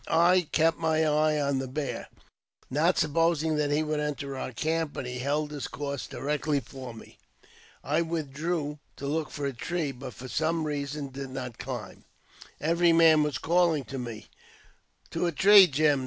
I kept my eye on the bear, not supposing that he would enter our camp ; but he held his course directly for me. I withdrew to look for a tree, but for some reason did not climb. Every man was calling to me, *' To a tree, Jim!